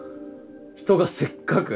人がせっかく。